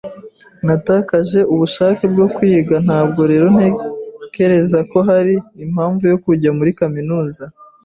Natakaje ubushake bwo kwiga, ntabwo rero ntekereza ko hari impamvu yo kujya muri kaminuza.